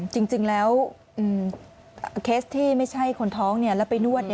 จริงแล้วเคสที่ไม่ใช่คนท้องแล้วไปนวด